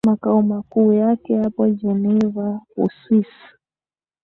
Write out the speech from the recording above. Makao makuu yake yapo Geneva Uswisi